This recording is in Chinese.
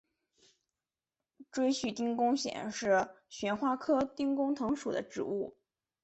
锥序丁公藤是旋花科丁公藤属的植物。